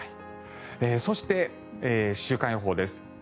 そして、週間予報です。